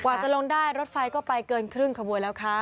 จะลงได้รถไฟก็ไปเกินครึ่งขบวนแล้วค่ะ